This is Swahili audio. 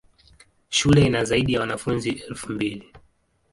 Shule ina zaidi ya wanafunzi elfu mbili.